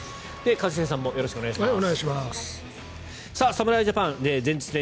一茂さんもよろしくお願いします。